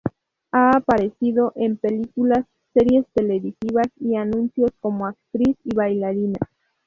Ha aparecido en películas, series televisivas, y anuncios como actriz y bailarina.